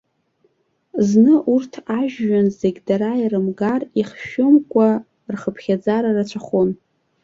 Зны урҭ, ажәҩан зегь дара ирымгар ихәшәымкәа, рхыԥхьаӡара рацәахон.